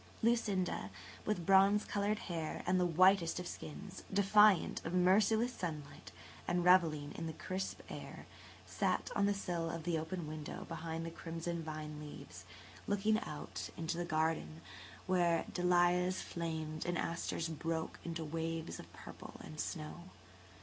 Lucinda, with bronze coloured hair and the whitest of skins, defiant of merciless sunlight and revelling in the crisp air, sat on the sill of the open window behind the crimson vine leaves, looking out into the garden, where dahlias flamed and asters broke into waves of purple and snow.